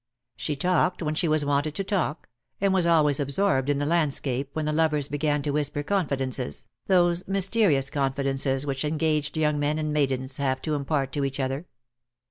She talked when she was wanted to talk, and was always absorbed in the landscape when the lovers began to whisper confidences, those mysterious confidences which engaged young men and maidens have to impart to each other.